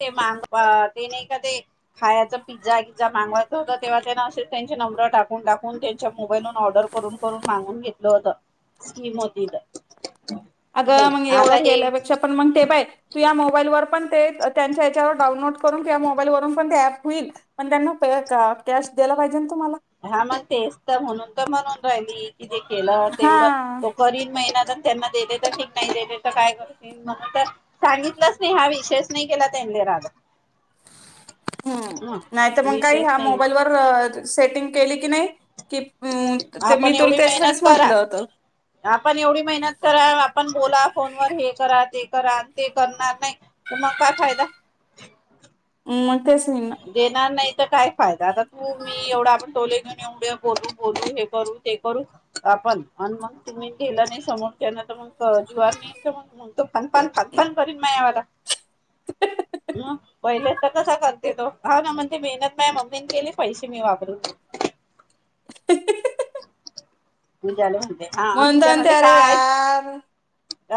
ते मांग ते नाही का ते? खायचा पिझ्झा बिझ्झा मागवायचं होत तेव्हा त्यान अस त्यां न टाकून टाकून. त्यांच्या मोबाईल ऑर्डर करून करून मागून घेतलं होत. स्कीम होतील. अग मग एवढं केल्यापेक्षा? पण मग ते पाय तुझ्या मोबाईलवर त्यांच्या याच्यावर डाउनलोड करून घे मोबाईल वून पण ते होईल पण त्यांना बोला पाहिजेन? हा मण तेच त. म्हणून तर म्हणून राहिली की जे केलं हा तेवढं तो करीन मेहनत. तर त्यांना देले तर ठीक नाही देले तर, काय करतीन? मला तर सांगितलंच नाही हा विशषयच नाही केला त्यांनी तूले राधा ह्म्म. ह नाहीतर मग काय? विषयच ह्या नाही मोबाईल वर सेटिंग केली की नाही की? आपण एवढी मेहनत करा. होतं आपण एवढी मेहनत करा आपण बोला फोन वर हे करा ते करा. ते करणार नाहीत, तर मग काय फायदा? मग तेच होईल ना देणार नाही तर काय फायदा? आता तू मी एवढा आपण बोलेन पण एवढ्या बोलू बोलू हे करू ते करू आपण. अन मग तुम्ही केला नाही. समोरच्यान तर मग मग तर [unintelligible] मग तो फण फण फण फण करीत माह्यावर आला. [inaudible] म पहिलेच त कस कर केलतो हा ना म्हणते मेहनत नाय म्हणते. केले मी पैसे वापरून [unintelligible] तु झाल का? मग नंतर..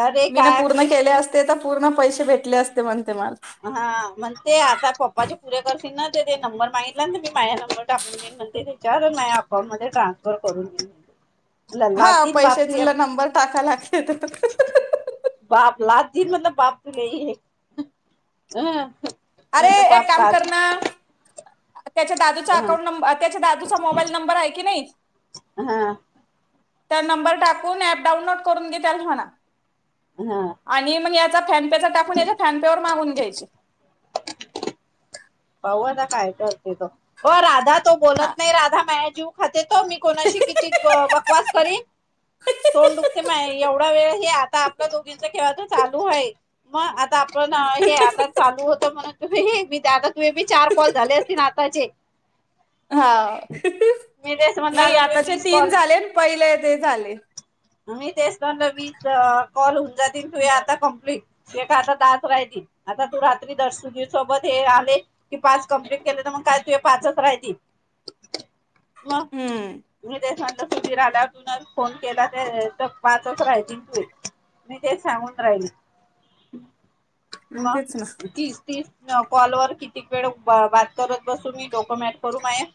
अरे मी ना काय पूर्ण म्हणते तू केले बी असते तर पूर्ण पैसे भेटले असते म्हण हा म्हणते आता पप्पाचे पुरे कर. ना ते नंबर मागितला ना मी माया नंबर टाकून देईन म्हणते. मी माया अकाउंट मध्ये ट्रान्सफर करून देई हा पैशाच नंबर टाकायला लागतय. बाप लाथ देईन म बाप तुले अरे. म्हटलं एक बाप काम लाद कर ना? त्याच्या दादूचा हा अकाउंट नंबर त्याच्या दादूचा मोबाईल नंबर आहे की नई हा [inaudible] त्या नंबर टाकून ऍप डाउनलोड करून दे त्याला म्हणा. हा आणि म याचा फॅन टाकून याच्या फॅनपेवर मागून घ्यायचे. बोल ना तू काय करते तू ओ राधा तू बोलत हा नाही राधा माझ्याशी जीव खाते तो मी कोणाशी किती बकवास करीन? तोंड दुखते माया एवढा वेळ हे आता, आपल्या दोघींच केव्हाच तर चालू हाय मग. आता आपण हे आता चालू होत म्हणुन तुमि ते आ तू ए बी चार कॉल झाले असतील आताचे हा. मी तेच म्हणलं नाही. आता तुम्ही आताचे वीस कॉल तीन झालेत. पहिले ते झाले. मी तेच तर त्यांनला विचारल कॉल होऊन जातील, तुये आता कंप्लीट. तूये काय आता दहाच राहएती. आता तू रात्री सुधीर सोबत हे आले की पाच कमप्लीट केले ना मग काय तुये पाचच रायतिल? [inaudible] म. हम्म मी तेच म्हणल. सुधीर आला तून फोन केला. प् पाचच राहायची तु मी तेच सांगून राहिली. मग वा तेच ना तीस, तीस. कॉल वर कितीक वेळ बात करत बसू मी डोक मॅट करू माए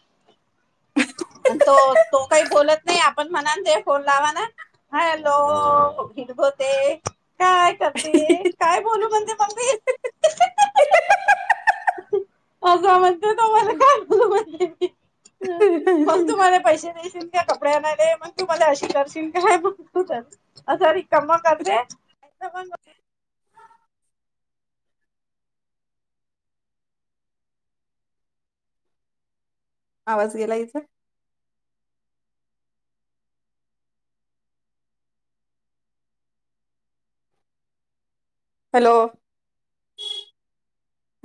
आणि तो तो काही बोलत नाही, आपण म्हणान ते फोन लावाना. हॅलो भिरगोते काय करते काय बोलू म्हणते. मम्मी [inaudible] असं म्हणते तो मला का म्हण. ह [unintelligible] ते त्या कपड्यांना दे मग तू मला अशी करशील. काय बघतो अस रीकामा करते पण [unintelligible] आवाज गेला हिचा हॅलो.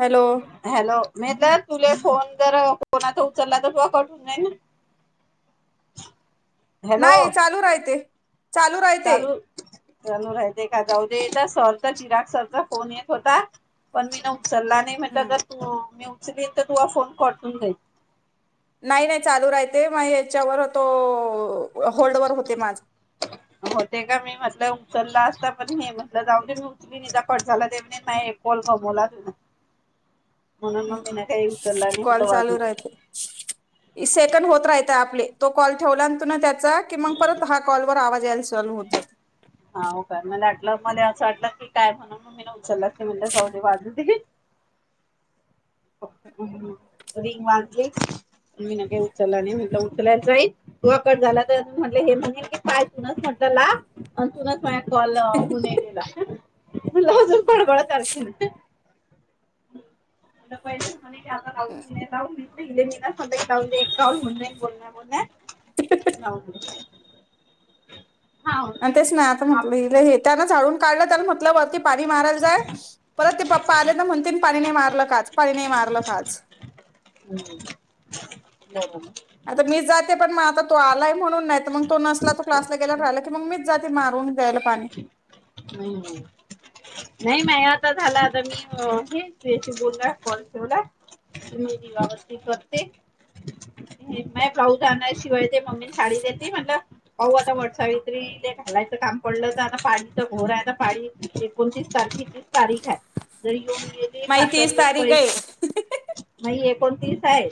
हॅलो हॅलो मी तर तुला फोन जर कोणाचा उचलला तर त कट होऊन जाई. नाही चालू राहते चालू राहते. चलू राहते का जाऊ दे तर सर तर चिराग सरचा फोन येत होता पण मी न सल्ला नाही म्हटलं हम्म जर तू मी उचलीन तर तु फोन कट होऊन जाईल नाही नाही चालू राहते मग हच्यावर तो होल्डवर होते माझं चल्ला असता पण हे म्हटलं जाऊन मी उचली निदा पड झाला दे मा कोल गमवला तु [unintelligible] हम् उचलला नाही कॉल म्हटलं वाजू चालू दिलं राहते सेकंड होत राहते. आपलं तो कॉल ठेवला तु त्याचा कि मग परत हा कॉल वर आवाज यायला चालू होईल. हा हो काय मला वाटलं मला असं वाटलं की काय म्हणून म मी ना उचललं की म्हण जा वाजू दे. रिंग वाजली ली मी न का उचलला नाही म्हटलं उचलायचंय त हं कट झाला तर म्हटलं हे म्हणे की पाय तुूनच म्हट तूनच माझ कॉल होूनेलेला [unintelligible] मला अजून [inaudible] [unintelligible] पाहि आता लावूनि लाविले मी सग ला राून म्हण बोल बोल [unintelligible] [inaudible] [unintelligible] हा आणि तेच ना आता आप म्हटलं हे त्यान झाडून काढलं त्या म्हटलं ब पाणी मारायला जाय परत ते पप्पा आले तर म्हणते पाणी नाही मारलं आज पाणी नाही मारलं आज [unintelligible] [inaudible] आता मी जाते पण आता तो आलाय म्हणून नाही तर मग तो नसला तो क्लासला गेला राहिला की मग मी जाते मारून द्यायला पाणी नाही नाही नाही मा आता झाला आता मी हे बोलला कॉल ठेवला. मुलगी आवरते करते [unintelligible] म ब्लाऊज आणाशिवाय ते मम्मी साडी देते म्हणलं पाह आता वटसावित्रीले घालायचं. काम पडलं तर पाणी घर आहे आता पाळी एकोणतीस तारखे तीस तारीख आहे जरी येऊन गेली माझी पाच स तीस दिवस पै तारीख आहे नाही एकोणतीस आहे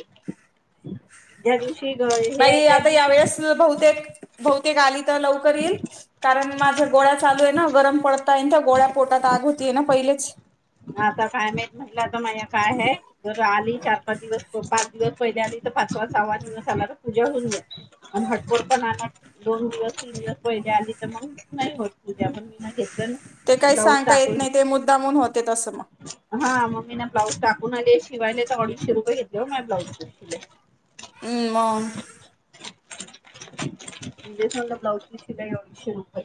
ज्या दिवशी ग हे मा आहे त्याच आता दिवशी यावेेळेस बहुतेक बहुतेक आली लवकर येई कारण माझ्या गोळ्या चालू आहे ना? गरम पडताय त्या गोळ्या पोटात आग होतीय ना पहिलेच आता काय माहित म्हला तर मा्या काय आहे ज आली दिवस पाच दिवस पहिले आली तर पाचवा सहावान दिवस आला तर पूजा होऊन जाई आणि हटकोळ पण दोन दिवस पहिले आली तर मग नाही होत उद्या आपण मीना घेत ते काही जाऊ सांगता येत टाकले नाही ते मुद्दामून होते तसं मग. हा मग मी ना ब्लाउज टाकून आले शिवायले तर अडीचशे रुपये घेतले म मा ब्लाउजले ह मग म्हणजेचा ब्लाऊजची शिलाई अडीशे रुपय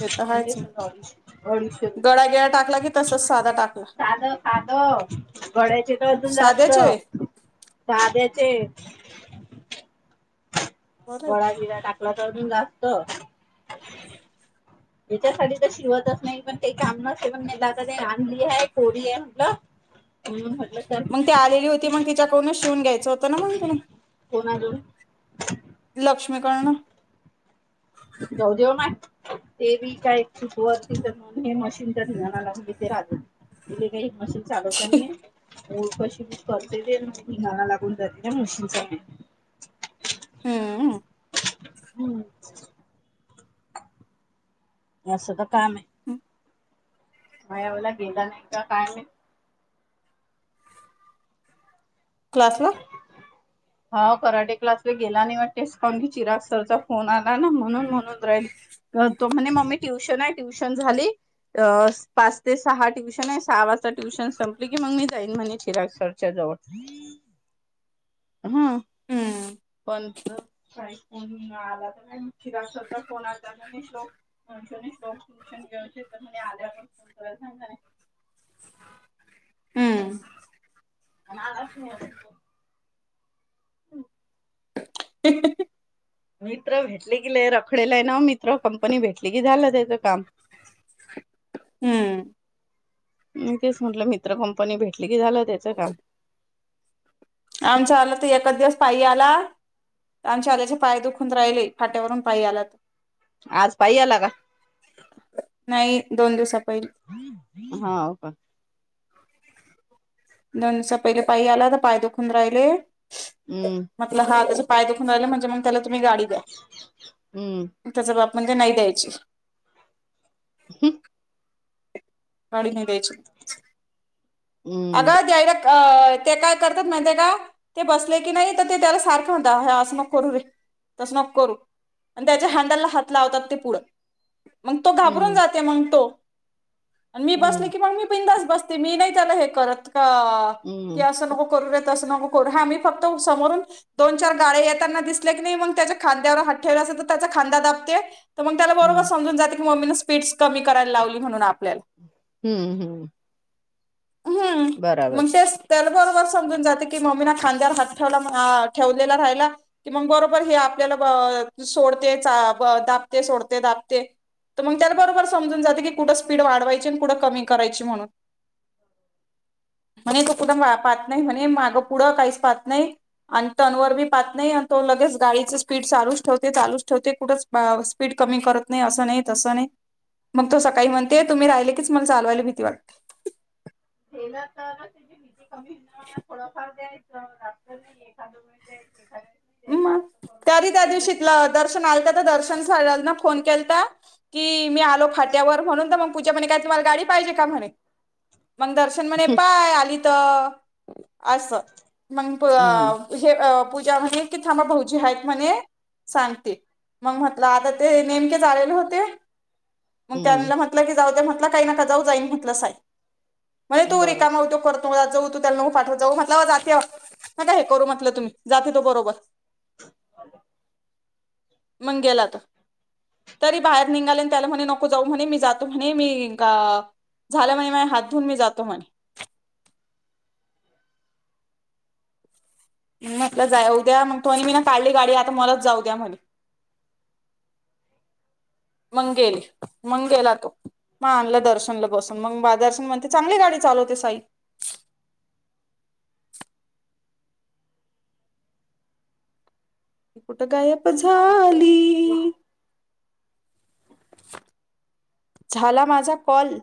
हे तर म्हणजे हायच ना समजा अडीचशे अडीचशे रुपये. गळा्या गिळा टाकला कि तसच साधा टाकला साध साध गड्याचे तर अजून जास्त साध्याचे आहे सााध्याचे बरं गोळागिळा टाकला तर अजून जास्त याच्यासाठी तर शिवतच नाही पण का काम न असते पण म आता ते आणली आहे कोरी आहे म्हटलं हम्म मग त आलेली होती मग तिच्याकडूनच शिवून घ्यायचं होतं ना मग ति कोणाकडून लक्ष्मीकरर्ण जाऊ देेव ना ते बी काय चूक वती तर हे मशीनच्या िलाना लाव ल ति काही एक मशीन चालवत नाही हो कशी क करते ते हिंगाणा लागून जाते ना मुशी हम्म हम्म अस असं तर काम आहे मवला गेला नाही का काय नाही क्लास ला हा कराटे क्लास वे गेला नाही वा टेस्ट कान की चिराग सरचा फोन आला ना म्हणून म्हणून राहिली तो म्हणे मम्मी ट्युशन आहे ट्युशन झाली पाच ते सहा ट्युशन आहे वा ट्युशन संपली की मग मी जाईन म्हणे चिराक्षरच्या जवळ हा हम्म आला तर फोन आलो शोक श्षन घे तर आदरा पोन क सांग ह आणि आच नाही त हम् ते मित्र भेटले कि रखडेला आहे ना मित्र कंपनी भेटली कि झालं त्याच काम हम्म म तेच म्हंटलं मित्र कंपनी भेटली की झालं त्याच का आमच्या आला तर एच दिवस पायी आला आमच्या आल्याचे पाय दुखून राहिले फाट्यावरून पायी आला त आज पायी आला का? नाही दोन दिवसात हा का दोनस पहिले पाय आला तर पाय दुखून राहिले हम्म मटलं हात पाय दुखून रा म्हणजे मग त्याला तुम्ही गाडी द्या हम्म त्याच बा म्हणजे नाही द्यायची हम काढ नाही जाच अग हम्म जयर अ ते काय करतात माहिे का ते बसले की नाही तर ते त्याला सारखं होत असं मग करूे तस नक करू आणि त्याच्या हँडलला हात लावतात ते पुढं मग तो घाबरून हम्म जाते मग तो आणि मी बसले हम्म की मग मी बिंदाच बसते मी नाही त्याला हे करत का की हम्म असं नको करू फक्त समोरून दोन चार गाळे येताना दिसले की नाही मग त्याच्या खांद्यावर हात ठेव त्याचा खांदा दापते तर मग त्याला हम्म बरोबरमजून जाते की मम्मीनं स्पीडस कराला लावली म्हणून आपल्याला हम्म हम्म हम्म बराबर. म्हजच त्याला बरोबर समजून जाते की मम्मी ना खांद्यावर हात ठेवला ठेवलेला राहिला कि मग बरोबर हे आपल्याला सोडते दापते सोडते दापते तर मग त्याला बरोबर समजून जाते की कुठं स्पीड वाढवायची आणि कुठं कमी करायची म्हणून म्हणे तो कठ पाहात नाही म्हणे मागं पुढं काहीच पाहत नाही आणि तनवर बी पाहत नाही आणि तो लगेच गाडीच स्पीड चालूच ठेवते चालूच ठेवते कुठच स्पीड कमी करत नाही असं नाही तसं नाही मग तो सकाळी म्हणते तुम्ही राहिले कीच मला चालवायला भीती वाटते झालं तर त्या विधी कमी हो थोडफार द्यायच रात्र नाही एखादं वेळ जाय एखाद मग तरी त्या दिवशीतलं दर्शन आल का तर दर्शन ना फोन केल की मी आलो खाट्यावर म्हणून तर मग पू्यापणे काय तमला गाडी पाहिजे का म्हणे मग दर्शन म्हणे पाय आली अस मग हम्म हे पूजा म्हणे थांबा भाऊजी आहेत म्हणे सांगते मग म्हटलं आता ते नेमके आलेले होते मग त्यांला हम्म म्हटलं की जाऊ द म्हटलं काही नका जाऊ जाईन म्हटलं साय म्हण तू बरोबर रिकामव तो करत जाऊ तू त्याला मग पाठवत जाऊ म्हटलं जाते म का हे करू म्हटलं तुम्ही जाते तो बरोबर मंगेलाता तरी बाहेर निघाले त्याला म्हणे नको जाऊ म्हणे मी जातो म्हणे मी झालं म्ह मा हात धुऊून मी जातो म्हणे म्हटलं जाय उद्या मग तो् मी ना काढली गाडी आता मलात जाऊ द्या म्हणे मग गेली मग गेला तो मग आणला दर्शनला बसून मग दर्शन म्हणते चांगली गा चालो ते साई कुठं गायब झाली झाला माझा कॉल